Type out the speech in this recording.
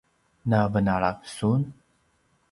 na venala sun?